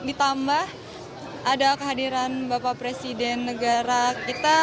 ditambah ada kehadiran bapak presiden negara kita